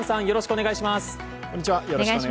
よろしくお願いします。